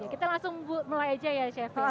kita langsung mulai aja ya chef ya